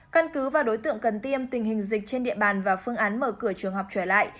căn cứ vào đối tượng cần tiêm tình hình dịch trên địa bàn và phương án mở cửa trường học trở lại